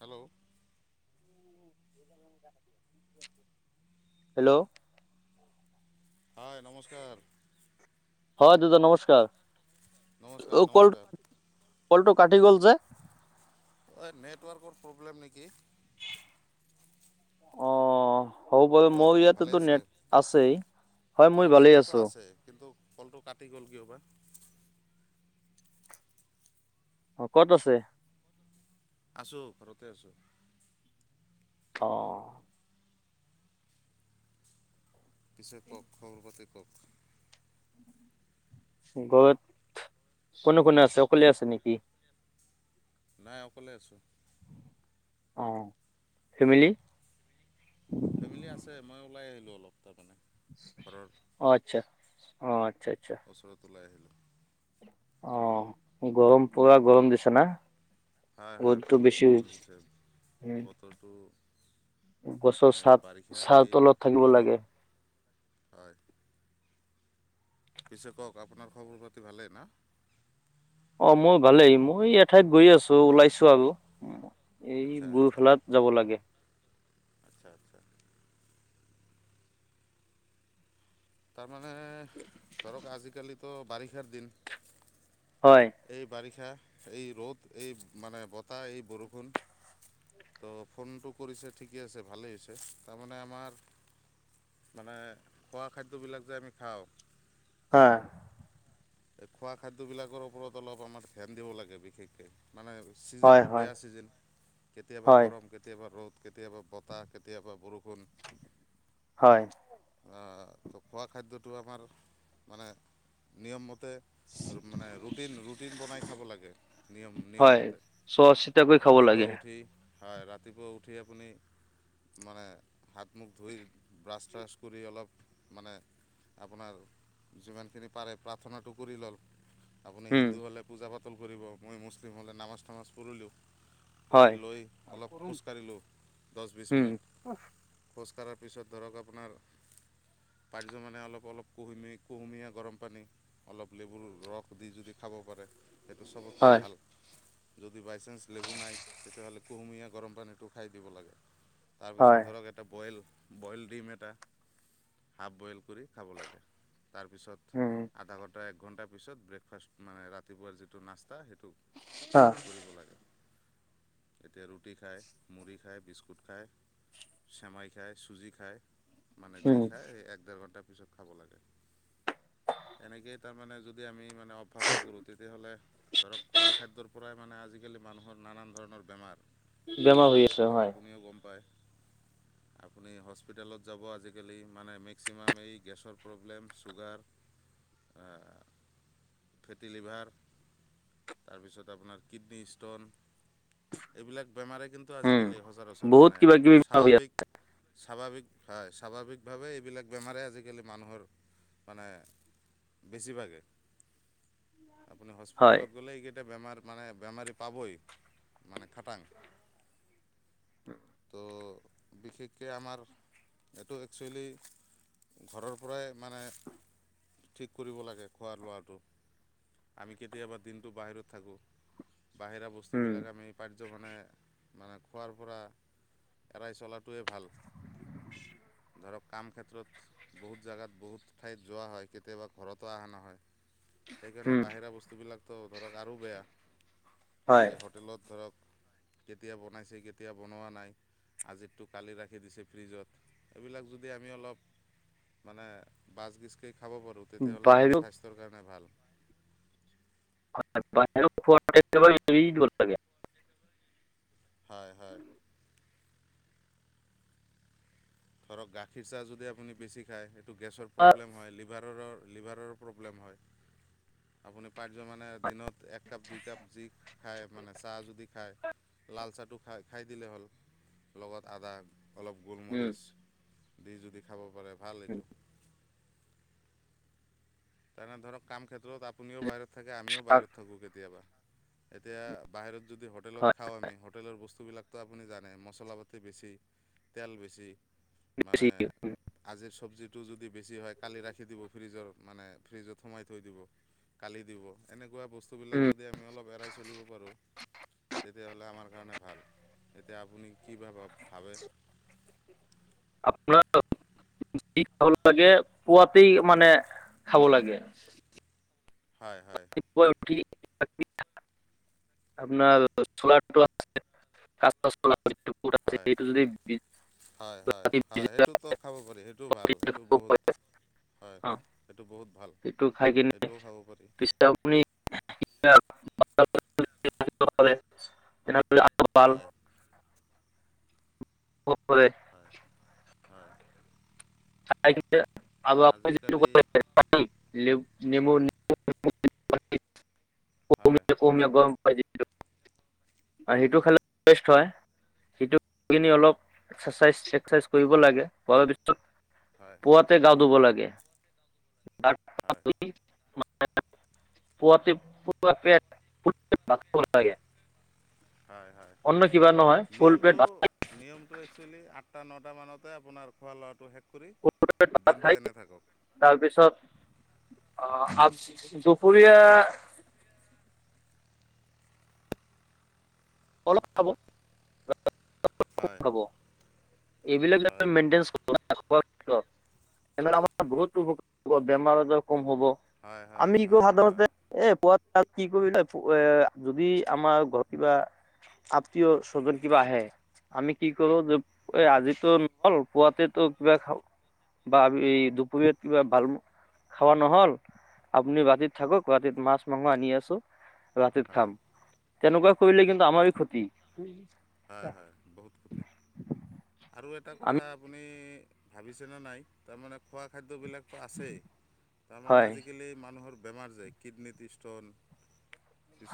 Hello hello হয় নমস্কাৰ অ', দাদা নমস্কাৰ নমস্কাৰ কল নমস্কাৰ কল কাটি গ'ল যে নেটৱৰ্কৰ প্ৰব্লেম নেকি অ', হ'ব বাৰু কওক মোৰ ভালে ইয়াতেতো আছে নেট আছেই হয় মোৰ মই ভালেই ইয়াতেতো আছোঁ আছে কিন্তু কলটো কাটি গল কিয়বা অ' ক'ত আছে আছোঁ ঘৰতে আছোঁ অ', পিছে কক খবৰ পাতি কক গৰত কোনে কোনে আছে অকলে আছে নেকি নাই অকলে আছোঁ অ', ফেমিলি ফেমিলি আছে মই ওলাই আহিলোঁ অলপ তাৰমানে ঘৰৰ আত্ছা অ' আচ্ছা আচ্ছা ওচৰত ওলাই আহিলো অ' গৰম পুৰা গৰম দিছে না হয় হয় ৰ'দটো বহুত বেছি গৰম হৈছে। দিছে বতৰটো গছৰ মানে এই চাত বাৰিষা ছাঁৱৰ এই তলত থাকিব গৰম লাগে হয় পিছে কক আপোনাৰ খবৰ পাতি ভালেই না অ', মোৰ ভালেই মই এঠাইত গৈ আছো হয় ওলাইছো আৰু এই আচ্ছা আচ্ছা বুৰফেলাত যাব লাগে আচ্ছা আচ্ছা তাৰমানে ধৰক আজিকালিতো বাৰিষাৰ দিন হয় এই বাৰিষা এই ৰ'দ এই মানে বতাহ এই বৰষুণ তো ফোনটো কৰিছে ঠিকে আছে ভালেই হৈছে তাৰমানে আমাৰ মানে খোৱা খাদ্যবিলাক যে আমি খাওঁ হাঁ এই খোৱা খাদ্যবিলাকৰ ওপৰত অলপ আমাৰ ধ্যান দিব লাগে বিশেষকৈ মানে হয় ছিজনটো হয় বেয়া ছিজন কেতিয়াবা হয় গৰম কেতিয়াবা ৰ'দ কেতিয়াবা বতাহ কেতিয়াবা বৰষুণ হয় তো খোৱা খাদ্যটো আমাৰ মানে নিয়ম মত মানে ৰুটিন ৰুটিন বনাই খাব লাগে নিয়ম নিয়ম হয় মতে চোৱা চিতাকৈ খাব লাগে হয় ৰাতিপুৱা উঠি আপুনি মানে হাত মুখ ধুই ব্ৰাছ চ্ৰাছ কৰি অলপ মানে আপোনাৰ যিমানখিনি পাৰে প্ৰাৰ্থনাটো কৰি ল'ল আপুনি উম হিন্দু হ'লে পূজা পাত পাতল কৰিব মই মুছলিম হ'লে নামাজ চামাজ পৰিলো পৰি হয় লৈ অলপ খোজকাাঢ়িলোঁ দহ বিছ উম মিনিট খোজ কঢ়াৰ পিছত ধৰক আপোনাৰ পাৰজ মানে অলপ অলপ কুহুমি কুহুমীয়া গৰম পানী অলপ লেবুৰ ৰস দি যদি খাব পাৰে সেইটো চবতকৈ হয় ভাল যদি বাইচাঞ্চ লেবো নাই তেতিয়াহ'লে কুহুমীয়া গৰম পানীটো খাই দিব লাগে। তাৰপিছত হয় ধৰক এটা বইল বইল ডিম এটা হাফ বইল কৰি খাব লাগে তাৰপিছত উম একঘণ্টাৰ পিছত ব্ৰেকফাষ্ট মানে ৰাতিপুৱাৰ যিটো নাস্তা সেইটো অ কৰিব লাগে। এতিয়া ৰুটি খায়, মুড়ি খায়, বিস্কুট খায়। চামাই খায়, চুজি খায়। মানে উম যি খায় সেই এক ডেৰ ঘণ্টাৰ পিছত খাব লাগে। এনেকেই তাৰ মানে যদি আমি মানে অভ্যাস নকৰোঁ তেতিয়াহ'লে ধৰক খোৱা খাদ্যৰ পৰাই মানে আজি মানুহৰ নানান ধৰণৰ বেমাৰ বেমাৰ হৈ আছে সেইটোতো হয়। আপুনিও গম পায় [inaudible] আপুনি হস্পিতেলত যাব আজিকালি মানে মেক্সিমাম এই গেছৰ প্ৰব্লেম চুগাৰ। [inaudible] ফেটি লিভাৰ। তাৰপিছত আপোনাৰ কিডনী ষ্ট'ন এইবিলাক বেমাৰে কিন্তু উম আজিকালি সচৰাচৰ বহুত মানে কিবা কিবি বেমাৰ হৈ আছে স্বাভাৱিক স্বাভাৱিক হয়, স্বাভাৱিকভাৱে এইবিলাক বেমাৰে আজিকালি মানুহৰ মানে বেছিভাগে মানে হয় হস্পিতেলত গ'লেই সেই বেমাৰ মানে বেমাৰী পাবই মানে খাটাং। ত' বিশেষকে আমাৰ এইটো একচুৱেলি ঘৰৰ পৰাই মানে ঠিক কৰিব লাগে খোৱা লোৱাটো। আমি কেতিয়াবা দিনটো বাহিৰত থাকোঁ বাহিৰা উম বস্তুবিলাক আমি মানে- মানে খোৱাৰ পৰা এৰাই চলাটোৱেই ভাল। [inaudible] ধৰক কাম ক্ষেত্ৰত বহুত জেগাত বহুত ঠাইত যোৱা হয় কেতিয়াবা ঘৰতো অহা নহয়। সেইকাৰণে উম বাহিৰা বস্তুবিলাকতো ধৰক আৰু বেয়া হয় এই হোটেলত ধৰক কেতিয়া বনাইছে কেতিয়া বনোৱা নাই। আজিতো কালি ৰাখি দিছে ফ্ৰিজত এইবিলাক যদি আমি অলপ মানে বাছ বিচকেই খাব পাৰোঁ তেতিয়াহ'লে আমাৰ বাহিৰত স্বাস্থ্যৰ কাৰণে ভাল। [unintelligible] হয়- হয়। ধৰক গাখীৰ চাহ যদি আপুনি বেছি খাই, গেছৰ প্ৰব্লেম হয় লিভাৰ ৰ লিভাৰৰ প্ৰব্লেম হয়। আপুনি পাৰ্য মানে দিনত এক কাপ দুই কাপ যি খায় মানে চাহ যদি খায়। লাল চাহটো খাই খাই দিলে হ'ল লগত আদা অলপ উম গোলমৰিচ দি যদি খাব পাৰে ভাল এইটো। তাৰমানে ধৰক কাম ক্ষেত্ৰত আপুনিও বাহিৰত থাকে আমিও বাহিৰত থাকো কেতিয়াবা। এতিয়া বাহিৰত যদি হোটেলত হয় খাওঁ আমি হোটেলৰ বস্তু বিলাকতো আপুনি জানে মছলা পাতি বেছি, তেল বেছি। মানে বেছি আজিৰ চব্জিটো যদি বেছি হয় কালি ৰাখি দিব ফ্ৰিজৰ মানে ফ্ৰিজত সোমাই থৈ দিব, কালি দিব এনেকুৱা বস্তুবিলাক উম যদি আমি অলপ এৰাই চলিব পাৰোঁ। তেতিয়াহ'লে আমাৰ কাৰণে ভাল, এতিয়া আপুনি কি বা ভাবে। আপোনাৰ [unintelligible] খাব লাগে পুৱাতেই মানে খাব লাগে। হয়। হয় ৰাতিপুৱা উঠি [unintelligible] আপোনাৰ [unintelligible] [unintelligible] হয় সেইটো যদি হয় বাকী হয়-হয় বিজয়া সেইটোতো খাব পাৰি সেইটো ভাল প্ৰতিটো সেইটো খাব বহুত পাৰে হয় অ এইটো বহুত ভাল সেইটো খাই কিনে সেইটোও খাব পাৰি। পিছে আপুনি [unintelligible] হয় [unintelligible] অ হয় হয় আজিকালি [unintelligible] হয় [unintelligible] আৰু হয় সিটো খালে হয় সটো হয় অলপ একাচাইজ এক্সাৰচাইজ কৰিব লাগে ভৱৱিষত হয় পুৱাতে গা ধুব লাগে হয় ডি [unintelligible] হয় হয় ফুল পেট নিয়মটো ভাত নিয়মটো একচুৱেলি আ টা নটা মানতে আপোনাৰ খোৱা লোৱাটো ফুল পেট শেষ ভাত খাই দিনটো এনে থাকক অ আ দুপৰিয়া অলপ খাব হয় খাব এইবিলাক য হয় মেইনটে আমাৰ বহুত উপ বেমাৰ আজাৰ কম হ'ব হয় হয় আমি কিয় হয় হয় সাধাৰণতে এ প ত কি কৰিলো এ যদি আমাৰ ঘৰত কিবা আত্মীয় স্বজন কিবা আহে আমি কি কৰো যে হয় আজিতো হল পুৱাতেতো কিবা খা বা আ দুপৰীয়াত কিবা ভাল খাব নহল আপুনি বাতিত থাকক বাতিত মাছ মাংস আনি আছো ৰাতিত হয় খাম তেনেকুৱা কৰিলে কিন্তু আমাৰ ক্ষতি হয় হয় বহুত ক্ষতি আৰু এটা কথা আমি আপুনি ভাবিছেনে নাই তাৰমানে খোৱা খাদ্যবিলাকতো আছেই তাৰমানে হয় আজিকালি মানুহৰ বেমাৰ যায় কিডনীত ষ্টোন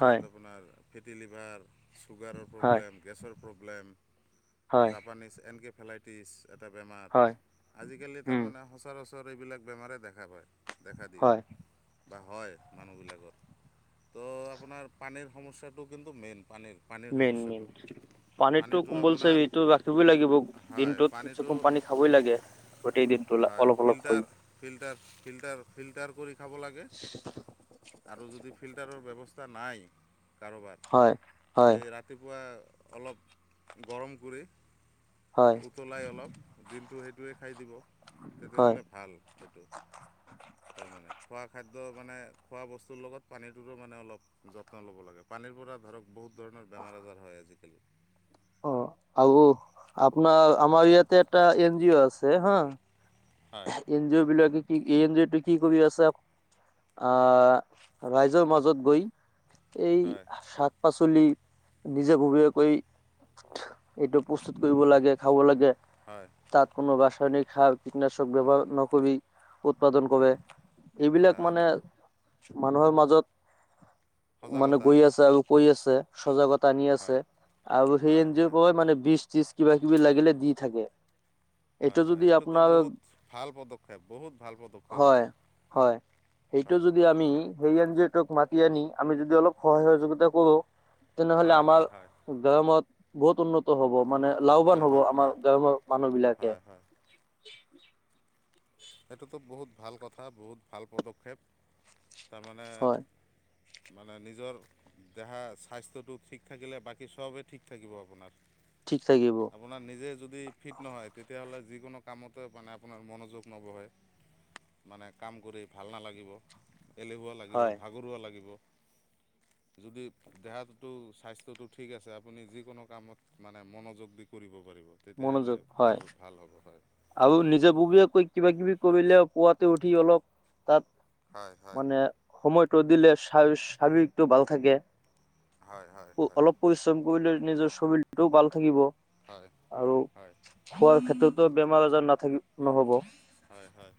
হয় আপোনাৰ ফেটি লিভাৰ ছুগাৰৰ হয় প্ৰব্লেম গেছৰ প্ৰব্লেম হয় জাপানীছ এনকেফেলাইটিছ এটা বেমাৰ হয় আজিকালি উম তাৰমানে সচৰাচৰ এইবিলাক বেমাৰেই দেখা পায় দেখা দিয়ে হয় বা হয় মানুহবিলাকত তো আপোনাৰ পানীৰ সমস্যাটো কিন্তু মেইন পানীৰ পানীৰ সমস্যাটো পানীটো কোম্বলছে এইটো ৰাখিবই লাগিব হয় দিনটোত কিছু পানীটো কম পানী খাবই লাগে গোটেই দিনটোলা হয় অলপ অলপ হৈ ফিল্টাৰ ফিল্টাৰ ফিল্টাৰ ফিল্টাৰ কৰি খাব লাগে আৰু যদি ফিল্টাৰৰ ব্যৱস্থা নাই কাৰোবাৰ হয় হয় এই ৰাতিপুৱা অলপ গৰম কৰি হয় উতলাই অলপ দিনটো সেইটোৱে খাই দিব হয় তেতিয়াহ'লে ভাল এইটো তাৰ মানে খোৱা খাদ্য মানে খোৱা বস্তুৰ লগত পানীটোৰো মানে অলপ যত্ন ল'ব লাগে পানীৰ পৰা ধৰক বহুত ধৰণৰ বেমাৰ আজাৰ হয় আজিকালি অ আৰু আপোনাৰ আমাৰ ইয়াতে এটা এন জি অ আছে হা হয় এন জি অ' বিলাকাকে কি এইঞজটো কি কৰি আছে আ ৰাইজৰ মাজত গৈ এই হয় সাক শাক পাচলি নিজে ভবীয়াকৈ এইটো প্ৰস্তুত কৰিব লাগে খাব লাগে হয় তাত কোনো ৰাসায়নিক সাৰ কীটনাশক ব্যৱহাৰ নকবি উৎপাদন কৰে এইবিলাক হয় মানে মানুহৰ মাজত মানে সজাগতা গৈ আছে আৰু পৰি আছে সজাগতা টানি হয় আছে আৰু সেই হয় এন জি হয় ক মানে বি ত্ৰিছ কিবা কিবি লাগিলে দি থাকে হয় এটো হয় যদি এইটোতো আপোনাৰ বহুত ভাল পদক্ষেপ বহুত ভাল পদক্ষেপ এইটো হয় হয়। এনজিঅ তোক মাতি আনি আমি যদি অলপ সহায় সহযোগিতা কৰো তেনেহলে হয় হয় আমাৰ হয় গ্ৰামত বহুত উন্নত হ'ব। মানে লাভৱান হয় হ'ব হয় আমাৰ হয় গাঁৱৰ মানুহ বিলাকে। হয় হয় সেইটোতো বহুত ভাল কথা বহুত ভাল পদক্ষেপ তাৰমানে হয় মানে নিজৰ দেহা স্বাস্থ্যটো ঠিক থাকিলে বাকী চবেই ঠিক থাকিব আপোনাৰ। ঠিক থাকিব। আপোনাৰ নিজে যদি ফিট নহয় তেতিয়াহ'লে যিকোনো কামতে মানে আপোনাৰ মনোযোগ নবহে মানে কাম কৰি ভাল নালাগিব। এলেহুৱা লাগিব হয় ভাগৰুৱা লাগিব। [inaudible] যদি দেহাতো স্বাস্থ্যটো ঠিক আছে আপুনি যিকোনো কামত মানে মনোযোগ দি কৰিব। কৰিব মনোযোগ তেতিয়াহ'লে হয় ভাল-ভাল হ'ব হয়। আৰু নিজে ববীয়া কৈ কিবা কিবি কৰিলে পুৱাতে উঠি অলপ তাত হয় হয় মানে সময়টো দিলে [unintelligible] ভাল থাকে। হয় হয় হয় অলপ পৰিশ্ৰম কৰিলে নিজৰ শৰীলটোও ভাল থাকিব। হয় আৰু হয় খোৱাৰ ক্ষেত্ৰতো বেমাৰ আজাৰ নাথাকিব নহব। হয়-হয়।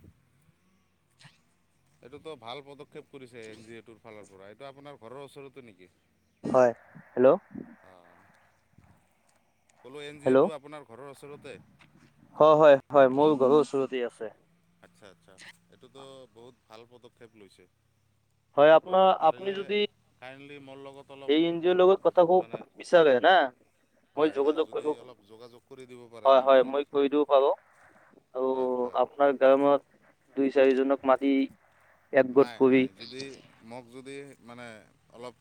[unintelligible] এইটোতো ভাল পদক্ষেপ কৰিছে এনজিঅ' তোৰ ফালৰ পৰা এইটো আপোনাৰ ঘৰৰ ওচৰতে নেকি? হয় হেল্ল, অঁ ক'লো এন জি হেল্ল' অ'টো আপোনাৰ ঘৰৰ ওচৰতে। হয় হয় হয় মোৰ ঘৰৰ ওচৰতে আছে। আচ্ছা আচ্ছা এইটোতো বহুত ভাল পদক্ষেপ লৈছে। হয় আপোনাৰ আপুনি পাৰিলে যদি মোৰ লগত, অলপ এই এন জি অৰ লগত কথা খুব মানে বিছাৰে না মই হয় হয় যোগাযোগ যদি কৰিব অলপ যোগাযোগ কৰি দিব পাৰে হয় মোৰ হয় মই লগত। কৰি দিব পাৰো আৰু হয় হয় আপোনাৰ গাঁৱত দুই চাৰিজনক মাতি, একগোট নাই কৰি নাই যদি মোক যদি মানে অলপ,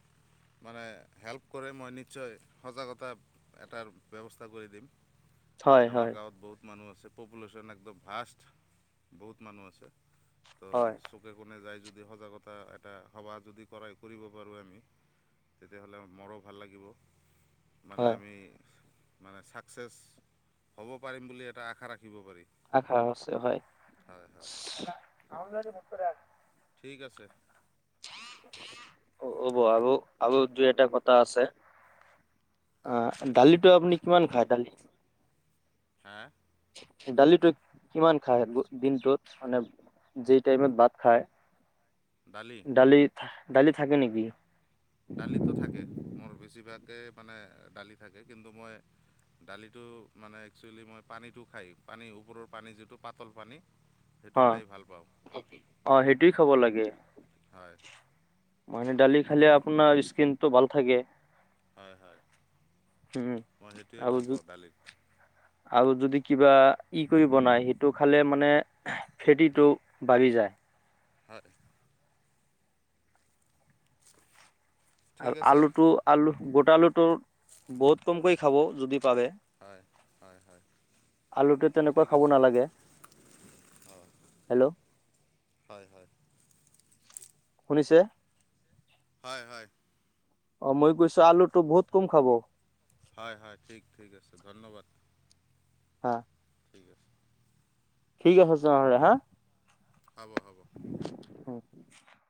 মানে হেল্প কৰে মই নিশ্চয় সজাগতা এটাৰ ব্যৱস্থা কৰি দিম। হয় আমাৰ হয় গাঁৱত বহুত মানুহ আছে পপুলেশ্যন একদম ভাষ্ট বহুত মানুহ আছে। হয়। যায় যদি সজাগতা এটা সভা যদি কৰাই কৰিব পাৰোঁ আমি। তেতিয়াহ'লে মৰো ভাল লাগিব। মানে হয় আমি মানে চাকচেছ হ'ব পাৰিম বুলি এটা আশা ৰাখি আশা আছে হয়। হয় হয় ঠিক আছে। হ'ব আৰু আৰু দূই এটা কথা আছে। হয় আহ দালিতটো আপুনি কিমান খায় দালি। হা, দালিটো কিমান খাই দিনটোত মানে যি টাইমত ভাত খায় দালি দালি থাকে নেকি। দালিতো থাকে, মোৰ বেছিভাগেই মানে দালি থাকে। কিন্তু মই দালিটো মানে একচুৱেলি মই পানীটো খাই পানী ওপৰৰ পানী যিটো, পাতল পানী সেইটো অ, খাই ভাল পাওঁ অ সেইটো খাব লাগে। হয় মানে ডালি খালে আপোনাৰ স্কিনটো ভাল থাকে। হয়, হয়। উম মই সেইটোৱে ভাল আৰু পাওঁ দালিত আৰু যদি কিবা ই কৰি বনায়, সেইটো খালে মানে ফেটিটো বাঢ়ি যায়। হয়। ঠিক আৰু আছে আলুটো আলু গোটা আলুটো বহুত কমকৈ খাব যদি পাৰে হয়, হয় হয় আলুটো তেনেকুৱা খাব নালাগে। হয়, হেল্ল' হয়, হয় শুনিছে হয়, হয় অ', মই গৈছো আলুটো বহুত কম খাব হয়, হয় ঠিক, ঠিক আছে ধন্যবাদ। হ ঠিক আছে। ঠিক আছে, তেনেহলে হা হ'ব, হ'ব। উ [unintelligible]